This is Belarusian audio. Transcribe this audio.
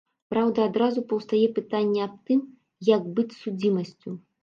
Праўда, адразу паўстае пытанне аб тым, як быць з судзімасцю?